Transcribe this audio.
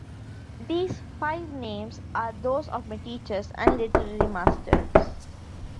These five names are those of my teachers and literary masters.